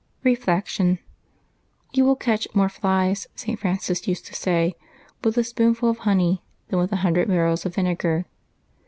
Reflection. — "You will catch more flies," St. Francis used to say, "with a spoonful of honey than with a hun dred barrels of vinegar.